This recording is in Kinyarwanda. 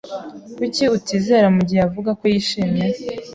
Kuki utizera mugihe avuga ko yishimye?